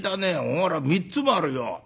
ほら３つもあるよ。